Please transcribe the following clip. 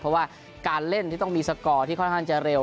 เพราะว่าการเล่นที่ต้องมีสกอร์ที่ค่อนข้างจะเร็ว